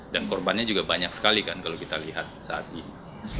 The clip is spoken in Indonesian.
dan korbannya juga banyak sekali kan kalau kita lihat saat ini